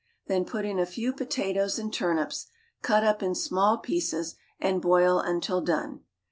Then put in a few potatoes and turnips (cut up in small pieces), and boil until done.